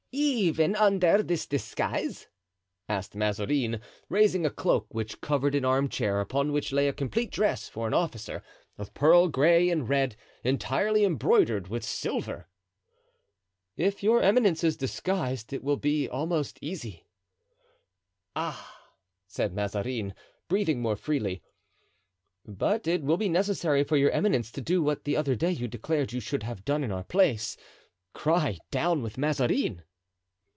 "Even under this disguise?" asked Mazarin, raising a cloak which covered an arm chair, upon which lay a complete dress for an officer, of pearl gray and red, entirely embroidered with silver. "If your eminence is disguised it will be almost easy." "Ah!" said Mazarin, breathing more freely. "But it will be necessary for your eminence to do what the other day you declared you should have done in our place—cry, 'Down with Mazarin!